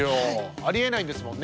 ありえないんですもんね？